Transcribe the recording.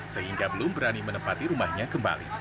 sehingga belum berani menempati rumahnya kembali